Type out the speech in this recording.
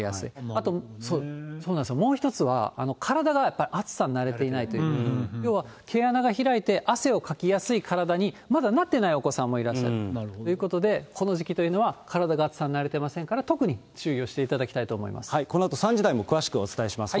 あともう一つは、体がやっぱり暑さに慣れていないということで、要は毛穴が開いて、汗をかきやすい体に、まだなってないお子さんもいらっしゃるということで、この時期というのは、体が暑さに慣れてませんから、特に注意をしていただきこのあと３時台も詳しくお伝えします。